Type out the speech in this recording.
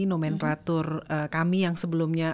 nomen ratur kami yang sebelumnya